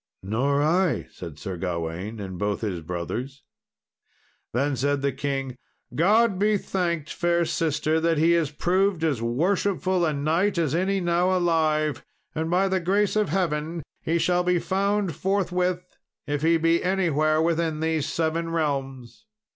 "Nor I," said Sir Gawain and both his brothers. Then said the king, "God be thanked, fair sister, that he is proved as worshipful a knight as any now alive, and by the grace of Heaven he shall be found forthwith if he be anywhere within these seven realms."